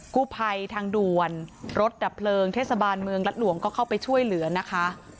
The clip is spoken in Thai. กู้ภัยทางด่วนรถดับเพลิงเทศบาลเมืองรัฐหลวงก็เข้าไปช่วยเหลือนะคะ